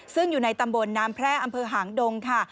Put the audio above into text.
ซึ่งอยู่ในตำบลน้ำแพร่อำเภอหางดงค่ะ